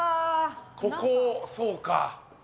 ここそうか。